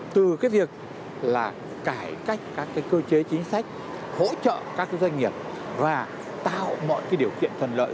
từ cái việc là cải cách các cái cơ chế chính sách hỗ trợ các cái doanh nghiệp và tạo mọi cái điều kiện thuận lợi